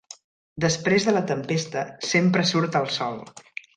Després de la tempesta sempre surt el sol.